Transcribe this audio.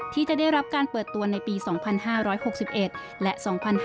ที่จะได้รับการเปิดตัวในปี๒๕๖๑และ๒๕๕๙